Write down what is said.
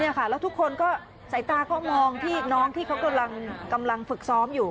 แล้วทุกคนก็สายตาก็มองที่น้องที่เขากำลังฝึกซ้อมอยู่